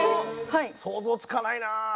想像つかないな。